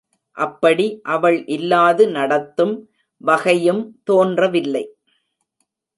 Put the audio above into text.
அப்படி அவள் இல்லாது நடத்தும் வகையும் தோன்றவில்லை.